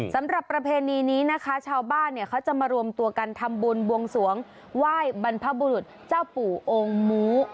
ประเพณีนี้นะคะชาวบ้านเนี่ยเขาจะมารวมตัวกันทำบุญบวงสวงไหว้บรรพบุรุษเจ้าปู่องค์มู